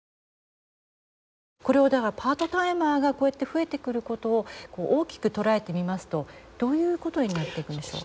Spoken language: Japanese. これはだからパートタイマーがこうやって増えてくることを大きく捉えてみますとどういうことになっていくんでしょう。